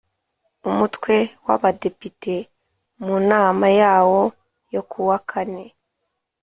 Umutwe w Abadepite mu nama yawo yo kuwa kane